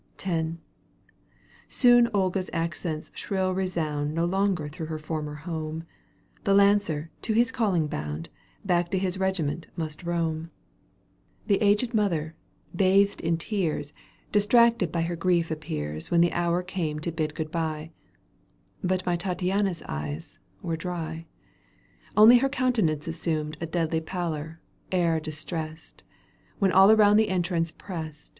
X Soon Olga's accents shrill resound No longer through her former home ; The lancer, to his calling bound. Back to his regiment must roam. Digitized by VjOOQ IC т CANTO VII. EUGENE ON^GUINE. 193 The aged mother, bathed in tears, Distracted by her grief appears When the hour came to bid good bye —^ But my Tattiana's eyes were dry. Only her countenance assumed A deadly pallor, air distressed ; When all around the entrance pressed.